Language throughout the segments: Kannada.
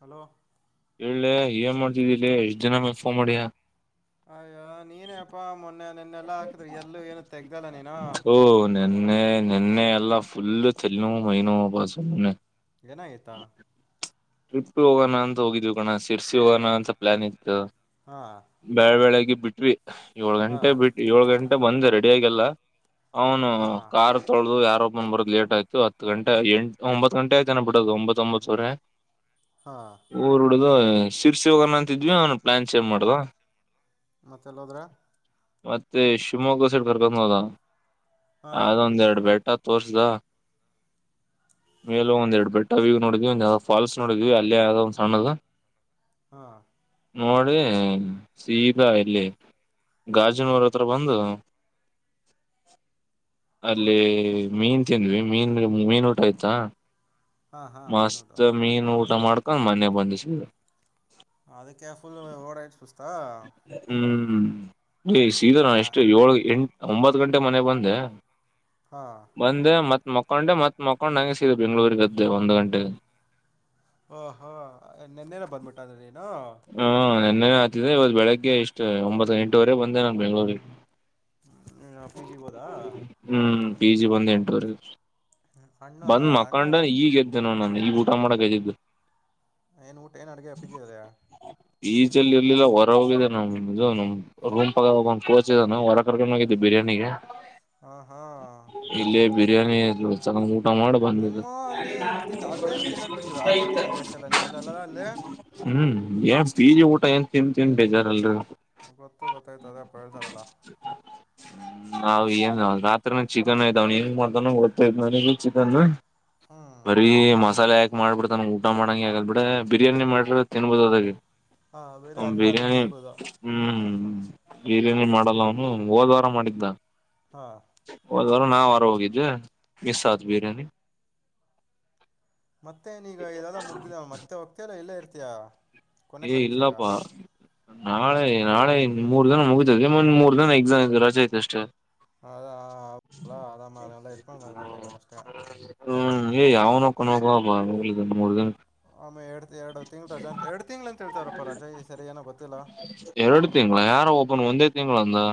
ಹಲೋ. ಹೇಳಳ್ಳೆ ಏನ್ ಮಾಡ್ತಿದೀಲಿ ಎಷ್ಟ್ ದಿನ ಮೆಫೋ ಮಾಡಿಯ. ಅಯ್ಯೋ ನೀನು ಎಪ್ಪಾ ಮೊನ್ನೆ. ನನ್ನೆಲ್ಲಾ ಹಾಕಿದ್ರಿ ಎಲ್ಲೂ ಏನು ತೆಗ್ದಲ್ಲ ನೀನ. ನಿೆನ್ನೆ ಎಲ್ಲಾ ಫುಲ್ಲ ತಲ್ಲಿವು ಮೈನವ ಅ ಬಾಣ. ಏನಾಗಿತಾ. ಟ್ರಿಪ್ ಹೋಗೋಣ ಅಂತ ಹೋಗಿದ್ವಿ ಕಣ ಶಿರ್ಸಿ ಹೋಗಣ ಅಂತ ಪ್ಲಾನ್ ಇ. ಹಾ ಬಳ ಬೆಳೆಗೆ ಬಿಟ್ವಿ ಏಳ್ ಹಾ ಗಂಟೆ ಬಿಟ್ವಿ ಏಳು ಗಂಟೆ ಬಂದ ರ. ಬೇಗಲ್ಲ ಅವನು ಹಾ ಕಾರ್ ತೊಳೆದು ಯಾರ. ರ ಬಂದ ಬರೋ ಲೇಟ್ ಆಯತು ಹತ್ತು ಗಂಟ ಎಂಟ ಒಂಬತ್ತು ಗಂಟ ಆಯ್ತನ ಬಿಡದು ಒಂಬತ್ತ ಒಂಬತ್ತು ಸಾವರ. ಹಾ ಊರ್ಡ್ದ ಶರ್ಸಿ ಒಗನ ಅಂತಿದ್ವಿ ಅವನ್ ಪ್ಲಾನ್ ಚೇಜ್ ಮಾಡ್. ಮತ್ತೆಲ್ಲೋದ್ರೆ. ಮತ್ತೆ ಶಿವಮೊಗ್ಗ ಸೈಡ್ ಕರ್ಕೊಂಡ್ ಹೋದ ಹಾ ಅದ ಒಂದ್ ಎರಡು ಬೆಟ. ತೋರ್ಸಿದ ಮೇಲ ಒಂದ್ ಎರಡು ಬೆಟ್ಟ ವವು ನೋಡ್ದಿ ಒ. ಫಾಲ್ಸ್ ನೋಡಿದ್ವಿ ಅಲ್ಲಿೇ ಯಾವ್ದೋ ಒಂದ್ ಸಣ್ಣ ಅದು. ಹಾ. ನೋಡ ಶೀಬಾ ಇಲ್ಲಿ. ಗಾಜಿನವರ ಹತ್ರ ಬಂದು. ಅಲ್ಲಿ ಮೀನ್ ತಿಂದ್ವಿ ಮೀನ್ ಮೀನ್ ಊಟ ಆಯ್ತಾ. ಹಾ ಹಾೀನುೋ. ಮ ಮೀನ್ ಊಟ ಮಾಡ್ಕೊಂಡ್ ಮನೆ ಬಂದಿಸ. ಅದಕ್ಕೆ ಫುಲ್ ಓಡ ಆಯ ಪುಸ್ತಾ. ಹ್ಮ್ ಸೀದ ನ ಎಷ್ಟು ಏಳ ಎಂಟ ಒಂಬತ್ ಗಂಟೆ ಮನೆ ಬಂದೆ. ಹಾ ಬಂದೆ ಮತ್ ಮಕೊಂಡೆ ಮತ್ತ್ ಮಕೊಂಡ್ ಹಂಗೆ ಸೀ ಬೆಂಗ್ಗಳೂರಿಗದ್ದೆ ಒಂದು್ ಗಂಟೆಗೆ. ಓ ಓ ನಿನ್ನೆನೆ ಬಂದಬಿಟ್ಟ ನೀನು. ಏ ಇವತ್ತು ಬೆಳಿಗ್ಗೆ ಇಷ್ಟು ಒಂಬತ್ತ ಎಂಟುವರೆಗೆ ಬಂದೆ ನಾನ ಬೆಂಗಳೂರಿಗೆ. ಹ್ಮ್ ಆಫೀಸ್ ಗೆ ಹೋದಾ. ಹ್ಮ್ ಪಿ ಜಿ ಬಂದ್ ಎಂಟವರೆ ಆಯ್ತು ಅಣ್ಣ ಬಂದ್ ಅಣ್ಣ ಮಕೊಂಡು ಈಗ ಎದಿನಿ ನೋಡು ನಾನು. ಊಟ ಮಾಡ ಕತಿದು. ಏನು ಊಟ ಏನು ಅಡುಗೆ ಪಿ ಜಿಯಲ್ಲಿ ಪಿಜಿಲಿ ಎಲೆಲೋ ಹೊರಗ ಹೋಗಿದೆ ನಮ ಇದು ನಮ ರೂಮ್ ಪಕ್ಕ ಹೋಗ್ ಕೋಚ್ ಇದನ ಹೊರಗ ಕರ್ಕೊಂಡು ಹೋಗಿದ್ದೆ ಬಿರಿಯಾನಿಗೆ. ಹ್ಮ ಹಾ. ಇಲ್ಲೇ ಬಿರಿಯಾನಿ ಇದು ಚೆನ್ನಗಿ ಊಟ ಮಾಡ ಬಂದಿದು. ಮನಿ ಅಲ್ಲಿ ತಿನೋದು ಬಿಟ್ಟು ಆಚೆ ತಿನ್ನದು ಜಾಸ್ತಿ ಅಲ್ಲ ನಿಮ್ಮಲ್ಲೆಲ್ಲಾರ ಅಲ್ಲೇ. ಹ್ಮ್ ಏನ್ ಪಿಜಿ ಊಟ ಏನ್ ತಿಂದ ತಿಂದ ಏನ ಬೇಜಾರಲರಿ. ಗೊತ್ತು ಗೊತ್ತಾಯ್ತು ಅದಪ್ಪ ಹೇಳ್ತಾರಲ್ಲ. ನಾವು ಏನ್ ರಾತ್ರಿನ ಚಿಕನ್ ಐತಿ ಅವನು ಹೆಂಗ ಮಾಡತವನ ಗೊತ್ತಾಯ ನನಗ ಚಿಕನ್. ಹ್ಮ್ ಬರೀ ಮಸಾಲೆ ಆಕಿ ಮಾಡ್ಬಿಡ್ತಾನ ಊಟ ಮಾಡಂಗ ಆಗಲ್ಲ ಬಿಡ ಬಿರಿಯಾನಿ ಮಾಡ್ರ ತಿನಬಹದು ಅದಾಗ. ಹಾಂ ಬೇರೆ ಅವನು ಅನ್ನ ಆದರೂ ಬಿರಿಯಾನಿ ತಿನ್ಬೋದು ಹ್ಮ್. ಬಿರಿಯಾನಿ ಮಾಡಲ್ಲ ಅವನು ಹೋದ ವಾರ ಮಾಡಿದ್ದ. ಹಾ. ಬುದುವಾರ ನಾವ್ ಹೊರಗ ಹೋಗಿದ್ದೆ ಮಿಸ್ ಆತ್ ಬಿರಿಯಾನಿ. ಮತ್ತೆ ನೀಗ ಇದೆಲ್ಲ ಮುಗದಿಧೆ ಮತ್ತೆ ಹೋಗ್ತಿಯಲ್ಲಾ ಇಲ್ಲೆ ಇರ್ತೀಯಾ. ಕೊನೆ ಏ ಪರೀಕ್ಷೆಗ ಇಲ್ಲಪ್ಪಾ. ನಾಳೆ ನಾಳೆ ಮೂರ ದಿನ ಮುಗದಿದೆ ಮುಂದ್ ಮೂರ ದಿನ ಎಕ್ಸಾಮ್ ಇದೆ ರಜೆ ಐತಿ ಅಷ್ಟೇ. ಅದ ಅಪ್. ಹ್ಮ ಏಯ್ ಅವ್ನೋಕ್ಕೋನ್ ಒಬೊಬಾ ಇಲ್ಲ ಮೂರ ದಿನ. ಆಮೆ ಎಡ್ ಎರಡು ತಿಂಗಳ ರಜೆ ಅಂತ ಎಡ್ ತಿಂ. ಎರಡು ತಿಂಗಳ ಯಾರೋ ಒಬ್ಬನು ಒಂದೇ ತಿಂಗಳ. ತಿಂಗಳ ಒಂದು.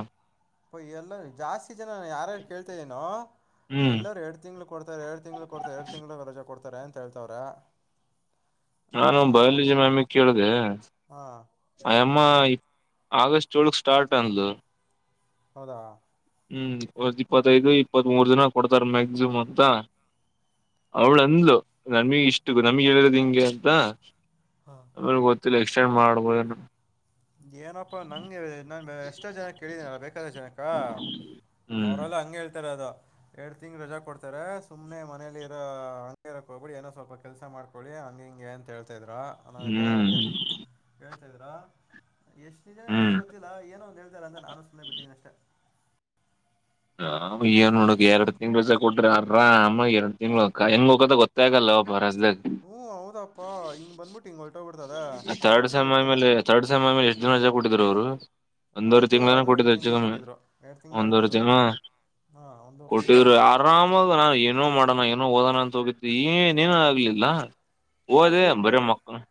ಅಪ್ಪ ಇಎಲ್ಲ ಜಾಸ್ತಿ ಜನ ಯಾರಾರು ಕೇಳತಾ ಇದೀನೋ. ಹ್ಮ್ ಎಲ್ಲರು ಎರಡ್ ತಿಂಗಳ ಕೊಡ್ತಾರೆ ಎರಡ್ ತಿಂಗಳ ಕೊಡತಾರೆ ಎರಡ್ ತಿಂಗಳು ರಜೆ ಕೊಡತಾರೆ ಅಂತ ಹೇಳತವರೆ. ನಾನು ಬಯೋಲಾಜಿ ಮ್ಯಾಮ್ ನಾ ಕೇಳದೆ. ಹಾ ಅಯಮ್ಮ ಆಗಸ್ಟ್ ಏಳಕ್ ಸ್ಟಾರ್ಟ್ ಅಂದಳು. ಹೌದ. ಹ್ಮ್ ಆಗಸ್ಟ್ ಇಪ್ಪತ್ತೈದು ಇಪ್ಪತ್ತ್ ಮೂರ್ ದಿನ ಕೊಡತಾರೆ ಮ್ಯಾಕ್ಸಿಮಮ್ ಅಂತ. ಅವಳು ಅಂದ್ಲು ನಮಿಗೆ ಇಷ್ಟು ನಮಗೆ ಹೇಳಿರೋದು ಹಿಂಗೆ ಅಂತ. ಆಮೇಲೆ ಗೊತ್ತಿಲ್ಲ ಎಕ್ಸ್ಟೆಂಡ್ ಮಾಡ್ಬೋದ ಏನು. ಏನಪ್ಪಾ ನಂಗೆ ಹೇಳಿದ್ ನಾನ್ ಎಷ್ಟೋ ಜನಕ್ಕೆ ಕೇಳಿದನಲ್ಲ ಬೇಕಾದಷ್ಟ ಜನಕ್ಕ. ಹ್ಮ್ ಅವರೆಲ್ಲ ಹಂಗೆ ಹೇಳತ ಇರೋದು. ಎರಡ್ ತಿಂಗಳ ರಜೆ ಕೊಡತರೆ ಸುಮನೆ ಮನೇಲಿ ಇರೋ ಹಂಗ ಇರಕ್ ಹೋಗಬೇಡಿ ಏನೋ ಸ್ವಲ್ಪ ಕೆಲ್ಸ ಮಾಡ್ಕೊಳ್ಳಿ. ಅದೇ ಅಂಗೆ ಹಿಂಗೆ ಅಂತ ಹೇಳತಾ ಇದರು ನಾನು ಅಂದೆ ಹ್ಮ್ ಹೇಳ್ತಾ ಇದ್ರ. ಎಷ್ಟು ನಿಜ ಎಸ್ಟಲ ಹ್ಮ್ ಗೊತ್ತಿಲ್ಲ ಏನ ಒಂದು ಹೇಳತಾರೆ ಅಂತ ನಾನು ಸುಮ್ಮನೆ ಬಿಟ್ಟಿದ್ದೀನಿ ಅಷ್ಟೇ. ನಾವು ಏನ್ ನೋಡಕು ಎರಡ ತಿಂಗಳ ರಜೆ ಕೊಟರೆ ಆರಾಮ ಎರಡ ತಿಂಗಳಕ ಹೆಂಗ್ ಹೋಗಕದ ಗೊತ್ತ ಆಗಲ್ಲ ಒಬ್ಬ. ರಜದಾಗ ಹ್ಮ್ ಹೌದಪ್ಪಾ ಹಿಂಗ ಬಂದ್ಬಿಟ್ಟು ಹಿಂಗ ಹೊರಟ ಹೋಗ. ಥರ್ಡ್ ಸೇಮ್ ಆಮೇಲೆ ಥರ್ಡ್ ಸೇಮ್ ಆಮೇಲೆ ಎಷ್ಟ ದಿನ ರಜ ಕೊಟ್ಟಿದ್ರು ಇವರು. ಒಂದವರೆ ಅದು ತಿಂಗಳಾನ ಅದು ಎರಡು ಕೊಟ್ಟಿದ್ರು ಹೆಚ್ಚು ತಿಂಗಳು ಕಮ್ಮಿ ನ ಕೊಟ್ಟಿದ್ರು ಎರಡು ತಿಂಗಳು ಆಯ್ತು ಒಂದವರೆ ಅದೂ ತಿಂಗಳು. ಹಾಂ ಒಂದೂವರೆ ತಿಂಗಳು ಕೊಟ್ಟಿದ್ರು ಆರಾಮದ ನಾನು ಏನೋ ಮಾಡೋಣ ಏನೋ ಓದೋಣ ಅಂತ ಹೋಗಿದ್ದೆ ಏನ್. ಇನ್ನೇನು ಆಗ್ಲಿಲ್ಲ ಹೋದವಿ ಬರೆ ಮಕ್ಕಳೋದು.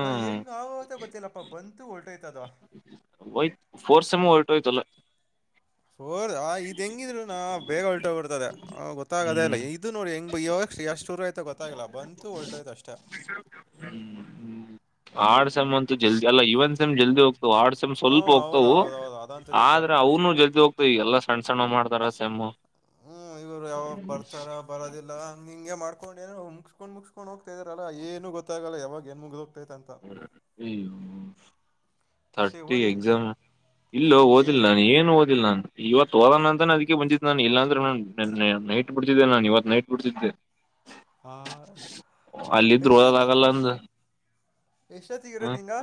ಹ ಹೆಂಗ ಆವ ಅಂತ ಗೊತ್ತಿಲ್ಲಪ್ಪ ಬಂತು ವೋತ. ಒಯ್ತ ಫೋರ್ತ್ ಸೇಮ್ ಹೊರಟೋಯ್ತು ಎಲ್ಲ. ಫೋರ್ ಆ ಇದ್ ಹೆಂಗಿದ್ರುನೋ ಬೇಗ ಹೊಲ್ಟೋಗ್ಬಿಡ್ತದೆ ಅ ಗೊತ್ತಾಗದೇ ಇಲ್ಲ ಹ್ಮ್ ಇದು ನೋಡ್ ಹೆಂಗ್ ಬ್ ಯೋ ಎಂಗ ಶುರುವಾಯ್ತು ಗೊತ್ತಾಗಿಲ್ಲ ಬಂತು ಹೋರಾಟಿತ್ತು ಅಷ್ಟೇ. ಹ್ಮ್. ಆಾಡ್ ಸಮ್ ಅಂತು ಜಲ್ದಿ ಅಲ್ಲ ಇವನ್ ಸಮ್ ಜಲ್ದಿ ಹೋಗ್ ಆಡ್ಸಮ ಹ್ಞೂ ಸ್ವಲ್ಪ ಹೌದು ಹೋಗ್ತವು ಹೌದು ಹೌದು ಅದಂತೂ ನಿಜ ಆದ್ರೆ ಅವನು ಜಲ್ ಹೋಗತ ಎಲ್ಲಾ ಸಣ್ಣ ಸಣ್ಣ ಮಾಡ್ತಾರ ಸೆಮ್ಮು ಹ್ಮ್ ಇವ್ರು ಯಾವಾಗ ಬರ್ತಾರ ಬರದಿಲ್ಲ ಹಂಂಗಗೆ ಮಾಡ್ ಡ್ ಏ ಮುಗಕೊಂಡ್ ಮುಗಸ್ಕೊಂಡ್ ಹೋಗ್ತ ಇದರಾರಲ್ಲ ಏನು ಗೊತ್ತಲ್ಲ ಯಾಗ ನ್ ಮುಗ ಮತ್ತೆ ರ್ಟಿ ಓದಿದೆ ಎಕ್ಸಾಮ್ ಇಲ್ಲ ಓದಿದೆ ಓದಿಲ್ಲ ನಾನು ಏನು ಓದಿಲ್ಲ ನಾನನ್ ಇವತ್ತು ಓದಣ ಅಂತಾನ ಅದ ಬಂದಿದ್ದೆ ನಾನನ್ ಇಲ್ಲಾಂದ್ರೆ ನೈಟ್ ಬಿಡ್ತಿದ್ದೆ ನಾನನ್ ಇವತ್ ನೈಟ್ ಬಿಡ್ತಿದ್ದೆ ಅಲ್ಲಿ ದ್ರೋದ ದಾಗಲ್ಲಂದ ಎಷ್ಟೊತ್ತಗ ಇರದ ನಿಂಗ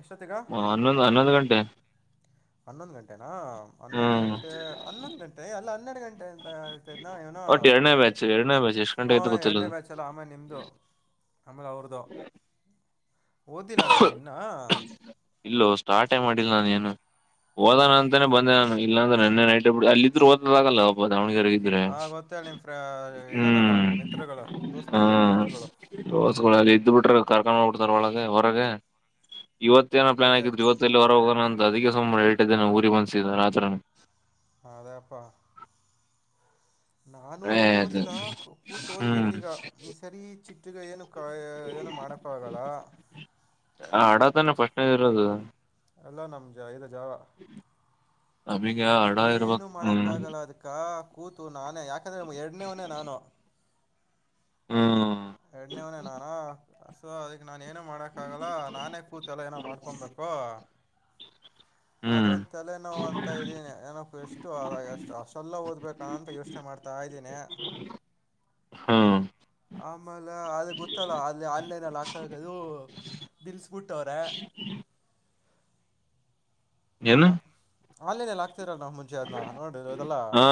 ಎಷ್ಟೊತ್ತಗ ಹನ್ನೊಂದು ಹನ್ನೊಂದು ಗಂಟೆ ಹನ್ನೊಂದು ಗಂಟೆನಾ ಹನ್ನೊಂದು ಹ್ಮ್ ಗಂಟೆ ಹನ್ನೊಂದು ಗಂಟೆ ಅಲ್ಲ ಹನ್ನೆರಡು ಗಂಟೆದ ಇವನ ಒಟ್ ಎರಡನೇ ಬ್ಯಾಚ್ ಎರಡನೇ ಬ್ಯಾಚ್ ಎಷ್ಟ್ ಗಂಟೆ ಹಾ ಆಯ್ತ ಎರಡ್ನೇ ಗೊತ್ತಿಲ್ಲದು ಬ್ಯಾಚ್ ಅಲ್ಲ ಆಮೇ ನಿಮ್ದು ನಮಲೆ ಅವ್ರದೋ ಓದಿಲ್ಲ ಅಂದ್ರೆ ನಿನ್ನಾ ಮಷ್ಟೆ ಮಾಡಿಲ್ಲ ನಾನ ಏನು ಓದಾನ ಅಂತಾನೇ ಬಂದೆ ನು ಇಲ್ಲಾಂದೆನ್ನೆ ನೈ ಬಿ ಅಲ್ಲಿ ಇದ್ರುಓದಾಗಲ್ಲ ಒಬ್ಬ ದ್ರೆ ಹಾಂ ಗೊತ್ತೇ ನಿಮ್ಮ ಫ್ರ ಇದರಲ್ಲ ಹ್ಮ್ ಮಿತ್ರಗಳು ದೋಸ್ತಿಗಳು ದೋಸ್ತುಗಳು ಹ ಇದ್ ಬಿಟ್ರರು ಕರ್ಕೊಂಡ್ ಹೋಗ್ಬಡ್ತಾರ ಒಳಗೆ ಹೊರಗೆ ಇವತ್ತೇಏನ ಪ್ಲಾನ್ ಗೊತ್ತೇ ಆಗಿದ್ರ ಇವತ್ತಲ್ಲಿ ಹೊರ ಹೋಗ ಅದಕ್ಕೆ ಸುಮಾರು ಹೇಟ್ಟಿದ್ದ ನ ಊರಿ ಬಂದಸಿದ್ದ ರಾತ್ರ ಹ ಅದೇಪ್ಪಾ ನಾನು ಏನು ಹಳೇದು ಓದಿಲ್ಲ ಕೂತು ಓದ್ಬೇಕು ಹ್ಮ್ ಈಗ ಈ ಸರಿ ಚಿಟ್ಟಗ ಏನು ಕ ಏ ಮಣಪಾಗಾ ಆ ಹಡತಾನೆ ಫಸ್ನದ ಇರೋದು ಎಲ್ಲ ನಮ್ ಜ ಇದ ಜಾವ ಅಮಗ ಹರ್ಡ ಇರ್ಬೇಕ ಏನೂ ಹ್ಮ ಮಾಡೋಕ್ಕಾಗಲ್ಲ ಅದಕ್ಕೆ ಕೂತು ನಾನೇ ಯಾಕಂದ್ರೆ ಎರಡನೇವನೆೇ ನಾನು ಹ್ಮ ಎರಡನೇವನೇ ನಾನು ಸೊ ಅದಕ್ ನಾನ್ ಏನು ಮಾಡಕ್ ಆಾಗಲ್ಲ ನಾನೇ ಕೂತ್ ಎಲ್ಲ ಏನೋ ಮಾಡ್ಕೊಬೇಕು [inaudible] ಹ್ಮ್ ಅದೊಂದು ತಲೆನೋವು ಅಂತ ಇದೀನಿ ನನ ಎಷ್ಟುಷ್ಟ ಸಲ್ಲ ಓದ್ಬೇಕಂತ ಯೋಚನೆ ಮಾಡ್ತಾರೆ ಕಾಯ್ದನೆ ಹಾ ಆಮೇಲೆ ಅದು ಗೊತ್ತಲ್ಲ ಅಲ್ಲಿ ಅನ್ನಲ್ಲ ಆಕ್ಕದು ಬಲ್ಸ್ ಬಿಟ್ಟೋರ ಏನು ಹ ಅಲ್ಲಿನಲ್ಲ ರ ನ ಮುಂಚೆ ಅದನ್ನ ನೋಡ ಇದೆಲ್ಲ ಹಾ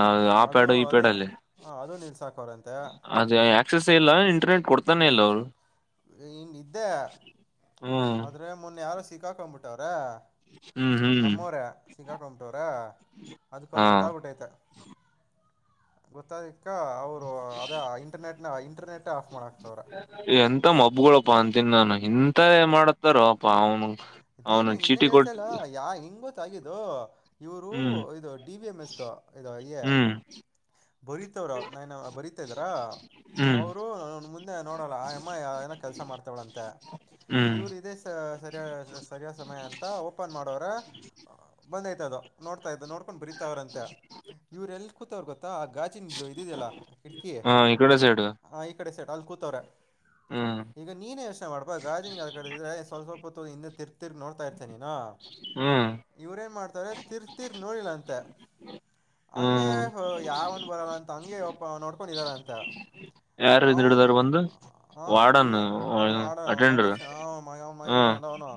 ಹಾ ಆ ಅದು ಅದು ಹ ಅದು ನೀಲ್ ಸಾಕ ಅವ್ರ ಅದೇ ಆಕ್ಸಸ್ ಇಲ್ಲ ಇಂಟರ್ನೆಟ್ ಕೊಡ್ತಾನೆ ಇಲ್ಲ ಅವ್ರು ಇನ್ ಇದ್ದೆ ಹ್ಮ್ ಆದ್ರೆ ಮೊನ್ನೆ ಯಾರು ಸಿಕ್ಕಾಕೊಂಡ್ಬಿಟ್ಟವ್ರ ಹ್ಮ್ ಹ್ಮ್ ನಮ್ಮೂರ ಸಿಗಕಮಟರ್ ಅದಕ್ಕೆ ಹಾ ಅವರು ಗೊತ್ತಾಗ್ಬಿಟ್ಟೈತೆ ಗೊತ್ತ ಅಕ್ಕ ಅವರು ಅದೇ ಇಂಟರ್ನೆಟ್ ನ ಇಂಟರ್ನೆಟ್ ಆಫ್ ಮಾಡಾಕ್ತವ್ರ ಇತ್ತ ಹಬ್ಗಳಪ್ಪಾ ಅಂತನ್ ನಾನು ಇಂತ ಮಾಡತ್ತಾರಪ್ಪಾ ಅವ್ನು ಇದೇ ನ ಇನ್ನೇ ಹೇಳ್ತಲ್ಲ ಯಾ ಹೆಗ ಗೊತ್ತ ಆಾಗಿದ್ದು ಇವರು ಹ್ಮ್ ಇದು ಡಿ ವಿ ಎಂ ಎಸ್ ಇದು ಹ್ಮ್ ಬರೀತವ್ರ ನಾನ್ ಬರೀತಾ ಇದಾರಾ ಹ್ಮ್ ಅವರು ನನ್ ಮುಂದೆ ನೋಡಲ್ಲ ಆ ಅಮ್ಮ ಯಾವ ಏನೋ ಕೆಲ್ಸ ಮಾಡ್ತವಳಂತೆ ಹ್ಮ್ ಇವರು ಇದೇ ಸರಿ ಸಮಯ ಅಂತ ಓಪನ್ ಮಾಡೋರೆ ಬಂದ್ ಯತದ ನೋಡ್ ನೋಡ್ಕೊಂಡು ಬರೀತಾವ್ರ ಅಂತ ಇವ್ರ ಎಲ್ಲಿ ಕೂತ ಅವ್ ಗೊ ಮತ್ತ ಆ ಗಾಾಜಿನ ಇದಿದಲ್ಲ ಕಿಟಕಿ ಹ ಈ ಕಡೆ ಸೈಡ್ ಹ ಈ ಕಡೆ ಸೆಟ್ ಅಲ್ ಕೂತವ್ರೆ ಹ್ಮ್ ಈಗ ನೀನೇ ಯೋಚನೆ ಮಾಡ್ಪಾ ಗಾರ್ಾಜಜಿಂಗ್ ಕಡೆಿದ್ರೆ ಸ್ವಲ್ ಸ್ವಲ್ಪ ಹೊ ತಿರ್ ನೋಡ್ತಾ ಇರ್ತೇನೆ ಹ್ಮ್ ಇವ್ರೇನ್ ಮಾಡ್ತ ತಿರ್ತಿರ್ ನೋಡಿಲ್ಲಂತೆ ಹಂಗೆ ಹ್ಮ್ ಯಾವನ್ ಬರಲ್ಲ ಅಂತ ತಂಗೆ ಒಪ್ಪ ನೋಡ್ಕೊಂಡಿದಾರ ಅಂತ ಯಾರ ಹಿಡಿದಾರ ಬಂದು ಹಾ ವಾರ್ಡನ್ ಇವ ಮಾಡಡ ಅಟೆಂಡರ್ ಮಗೇಶ್ ಹ ಮಗೇಶ್ ಅದ ಅವನು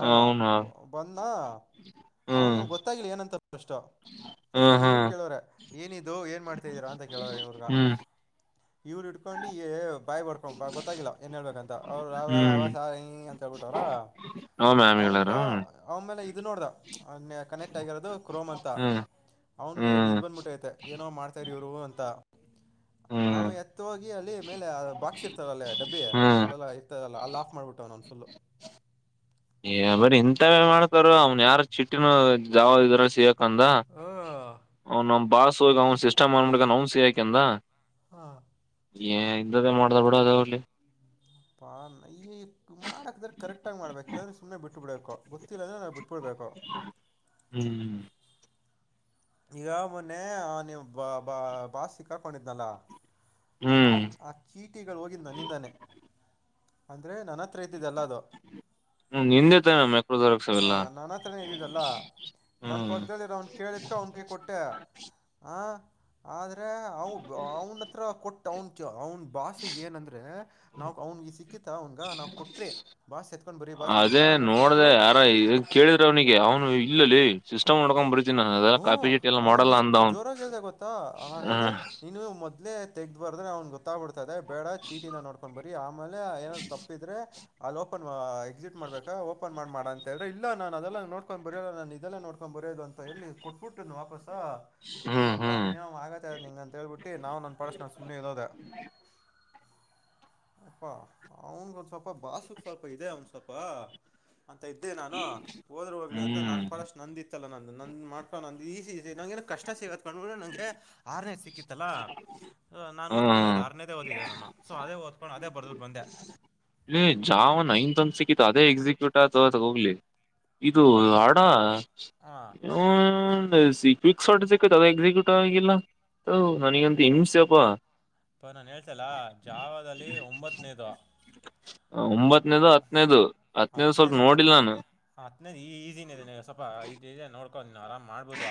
ಅವನ ಅವನು ಬಂದ ಹ್ಮ್ ಅವನು ಗೊತ್ತಾಗಿಲಿ ಏನಂತ ಪ್ರಷ್ಟ ಫಸ್ಟ್ ಹ್ಮ್ ಇವ್ರು ಹ್ಮ್ ಕೇಳವ್ರ ಏನಿದು ಏನ್ ಮಾಡ್ತಾಿದ್ದೀರಾ ಅಂತ ಕೇಳವ್ರ ಇವ್ರಗ ಹ್ಮ್ ಇವ್ರು ಇಟ್ಡ್ಕೊಂಡು ಬಾಯ್ ಬರ್ಕೊ ಬ ಗೊತ್ತಾಗಿಲ್ಲ ಏನ್ ಹೇಳ್ಬೇಕಂತ ಅವ್ರ ಅವ ಅಂತ ಹೇಳ್ಬಿಟ್ಟವ್ರ ಹೌ ಅವನ್ಗ ಅವ ಮೇಲೆ ಇದು ನೋಡ್ದ ಕನೆಕ್ಟ್ ಆಗಿರೋದು ಕ್ರೋಮ್ ಅಂತ ಹ್ಮ್ ಅವನ್ಿಗೆ ಹ್ಮ್ ಇದ್ ಬಂದ್ ಮುಟ್ಟ ಐತೆ ಏನೋ ಮಾಡ್ತಾರಿ ಇವ್ರು ಅಂತ ಹ್ಮ್ ಆಮೇ ಎತ್ತ ಹೋಗಿ ಅಲ್ಲಿ ಮೇಲೆ ಬಾಕ್ಸ್ ಇರ್ತದಲ್ಲೇ ಡಬ್ಬಿ ಹ್ಮ್ ಅಲ್ಲೆಲ್ಲ ಇರ್ತದಲ್ಲ ಅಲ್ಲ ಮಾಡಿಬಿಟ್ಟೆ ನನ್ನ ಫುಲ್ಲು ಏ ಬರೀ ಇಂಥ ಮಾಡ್ತಾರ ಅವ್ನ್ ಯಾರ ಚಿಟ್ಟಿನ ಜಾವ್ ಇದ್ರ ಸಿಗ ಅಂದ ಅವನ್ ನಮ್ ಬಾಸ್ ಹೋಗ ಅವನ್ ಸಿಸ್ಟಮ್ ಮಾಡಬಿಡ್ಕ ಅವನ್ ಸಯಕಂದ ಹಾ ಏ ಇ್ದೇ ಮಾಡ್ದ ಬಿಡ ಅದ ಅವಲ್ಲಿ ಪಾ ನಯ ಮಾಡಾಕ್ದ್ರ ಕರೆಕ್ಟ್ ಆಗ್ ಮಾಡ್ಬೇಕಕ್ ಇಲ್ಲಾ್ರ ಸು್ನೆ ಬಿಟ್ಟು ಬಿಡ್ಬೇಕು ಗೊತ್ತಿಲ್ಲ ಅಂದ್ರೆ ನಾ ಬಿಟ್ಟ ಹ್ಮ್ ಈಗ ಮೊನ್ನೆ ನೀವು ಬ ಬಾ ಬಾಸ್ ಸಿಕ್ಕ ಹಾಕೊಂಡಿದ್ನಲ್ಲ ಹ್ಮ್ ಆ ಕೀಟಿಗಳು ಹೋಗಿದ್ದ ನನ್ನಿಂದಾನೆ ಅಂದ್ರೆ ನನ್ನ ಮಾತ್ರ ರತದೆಲ್ಲ ಅದು ಹ್ಮ್ ನಿಂದೇತ ನ ಮೆಕ್ರೋ ದರಕ್ಸವೆಲ್ಲ ನನ್ ಪಕ್ಕದಲ್ಲಿ ಅವ್ನ್ ಕೇಳಿದ್ ಅವ್ನ್ ಕೊಟ್ಟೆ ಹ ಆದ್ರೆ ಅವ ಅವನ ಹತ್ರ ಕೊಟ್ಟ ಅವನ್ ಕ ಅವನು ಭಾಷೆ ಏನ ಅಂದ್ರೆ ನಾವ ಅವನಿಗೆ ಸಿಕ್ಕಿಿತ ಅವನ್ಗ ನಾವು ಕೊಟ್ರೆ ಭಾಷೆ ಅದೇ ನೋಡ್ದ ಯಾರ ಕೇಳಿದ್ರ ಅವ್ನಿಗೆ ಅವ್ನು ಇಲ್ಲಲ್ಲಿ ಸಿಸ್ಟಮ್ ನೋಡ್ಕೊಂಡ್ ಬರ ಹ್ಮ ಅವನ್ ಎಷ್ಟು ಜೋರಾಗಿ ಹೇಳ್ದ ಗೊತ್ತಾ ನಾನನ್ ಹೇಳ್ದ ನೀನು ಮೊದ ಇೇ ತೆಗ ಬಾರದ್ರೆ ಅವ್ನ್ ಗೊತ್ತ್ ಬಿಡ್ತಾ ಇದೆ ಬೇಡ ಚೀಟಿಂದ ನೋಡ್ಕೊಂಡ್ ಬರರಿ ಆಮೇಲೆ ಏನಾದ್ ತಪ್ಪಿದ್ರೆ ಅಲ್ಲಿ ಓಪನ್ ಎಕ್ಸಿಟ್ ಮಾಡ್ಬೇಕ ಓಪನ್ ಮಾಡ ಅಂತ ಹೇಳಿ ಇಲ್ಲ ನಾನ್ ಅದೆಲ್ಲ ನೋಡ್ಕೊಂಡ್ ಬರಲ್ಲ ನಾ ಇದಲ್ಲ ನೋಡ್ಕೊಂಡ್ ಬರಿ ಬರೆಯೋದು ಅಂತ ಎಲ್ಲಿ ಕೊಟ್ಬಿಟ್ಟು ವಾಪಸ ಹ್ಮ್ ಹೋಗಪ್ಪಾ ಹ್ಮ್ ನೀನ್ ಆಗತ್ತ ನಿಂಗ ಅಂತ ಹೇಳ್ಬಿಟ್ಟಿ ನಾವು ನನ್ ಪಡಸ್ ನನ್ ಸುಮ್ಮನೆ ಇೋದೆ ಅಪ್ಪಾ ಅವನ್ಗ ಒಂದ್ ಸ್ವಲ್ಪ ಬಾಾಸಕ್ ಸ್ವಲ್ಪ ಇದೆ ಅವನ್ ಸ್ವಲ್ಪ ಅಂತ ಇದ್ದೆ ನಾನು ಹೋದ್ರರು ಹೋಗ್ಲಿ ಅಂತ ಹ್ಮ್ ನಾನನ್ ಪಡಷ್ಟ ನಂದಿತ್ತಲ್ಲ ನಂದು ನಂದ ಮಾಡ ಈ ನ ನ ಕಷ್ಟ ಸೇವಕು ನಂಗೆ ಆರನೇದು ಸಿಕ್ಕಿತ್ತಲ್ಲಾ ನಾನು ಓದ್ಕೊಂಡೋಯ್ದು ಹ್ಮ್ ಆರನೇದೇ ಓದಿದ್ದಿದೆ ನಾನು ಸೊ ಅದೇ ಓದ ಅದೇ ಬರದಲ್ ಬಂದೆ ಇ ಜಾವನ್ ಐನ್ತ್ ಒಂದ ಸಿಕ್ಕತ್ತು ಅದೇ ಎಕ್ಸಿಕ್ಯೂಟ್ ಆತ ಹೋಗ್ಲಿ ಇದು ಪ ಆಡ ಹಾಂ ಸಿ ಕ್ವಿಕ್ ಶಾರ್ಟ ಸಿೈತ್ ಅದ ಎಕ್ಸಿಕ್ಯೂಟಿವ್ ಆಗಿಲ್ಲ ಅ ನನಗಂತ ಹಮಸಪಾ ಪ ನಾನ್ ಹೇಳ್ತಲ್ಲ ಜಾವದಲ್ಲಿ ಒಂಬತ್ತನೇದ ಒಂಬತ್ತನೇದು ಹತ್ತನೇದು ಹತ್ತನೇದು ಸ್ವಲ್ಪ ನೋಡಿಲ್ ನಾನು ಹತ್ನ ಈಸಿನದೆ ಸ್ವಲ್ಪ ಇ ನೋ ಆರಾಮ್ ಮಾಡ್ಬಹದು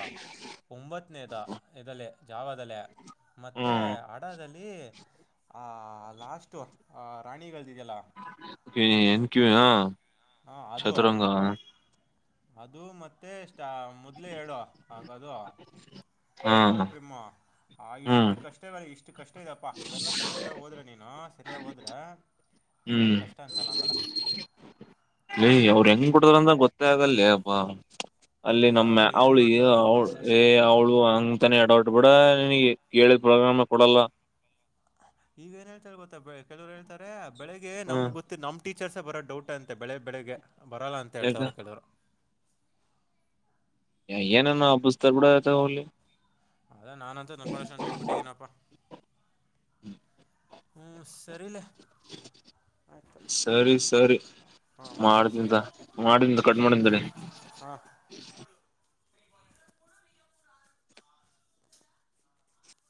ಒಂಬತ್ತನೇದ ಇದ ಜಾವಲ್ಲ ಮತ್ತೆ ಹ್ಮ್ ಆ ಆ ಲಾಸ್ಟ್ ರಾಣಿಲ್ ನ್ ಕೂಯ ಹಾಂ ಅದು ಚದರಂಗ ಅದು ಮತ್ತೆ ಸ ಮೊದ್ಲೆ ಹೇಳು ಹಾಗದು ಹಾ ಕೃಷಕಲು ಪ್ರಿಮಾ ಆ ಹ್ಮ್ ಇಷ್ಟು ಕಷ್ಟವಲ್ಲ ಇಷ್ಟು ಇಷ್ಟು ಕಷ್ಟ ಇದಪ್ಪ ಇದೆಲ್ಲ ಕರೆಕ್ಟಾಗಿ ಹೋದ್ರೆ ನೀನು ಸರಿಯಾಗಿ ಹೋದ್ರೆ ಹ್ಮ್ ನಿಿನಗೇನು ಕಷ್ಟ ಅನ್ಿಸಲ್ಲ ಆಮೇಲೆ ಇ ಅವ್ರ ಹೆಂಗ್ ಕುಡ್ತಾರಂತ ಗೊತ್ತೇ ಆಗಲ್ಲ ಅಬಾ ಅಲ್ಲಿ ಅಯ್ಯ ನಮ್ಮ ಅವಳು ಏನು ಅವ್ಳು ಮಾಡ್ತಾರೋ ಅವಳ ಏ ಈಗ ಅವ್ಳು ಅಂತಾನೆ ಎಡಟ್ ಬಿೂಡ ನಿಗೆ ಕೇಳಿದ ಪ್ರಾರಾಮ ಕೊಡಲ್ಲ ಈಗ ಏನ್ ಹೇಳ್ತಾರೆ ಗೊತ್ತಾ ಕೆಲವರು ಹೇಳ್ತಾರೆ ಬೆಳಗ್ಗೆ ಹ ನಮ್ ಗೊತ್ತ ನಮ್ ಟ ಟೀಚರ್ಸ ಬರೋ ಡೌಟ್ ಅಂತೆ ಬೆಳೆ ಬೆಳಗ್ೆಗೆ ಬರಲ್ಲ ಅಂತ ಯಾಕ ಹೇಳ್ತವ್ರ ಕೇಳಿದ್ರು ಏನನು ಆ ಪುಸ್ತ ಕೂಡ ತಗೋಿ ಅದ ನಾನನ್ಂತ ನನ್ಪಾಷ್ಟನ್ ಬಿಟ್ಬಿಟ್ಟಿದೀನಪ್ಪಾ ಹ್ಮ್ ಹ್ಮಞ ಸರಿಲ್ಲ ಸರಿ ಸರಿ ಹಾಂ ಮತ್ತೆ ಮಾಡ್ದಂತ ಹಚ್ತೀನಿ ಮಾಡಿದ್ದ ಕಟ್ ಮಾಡಂತ ಹ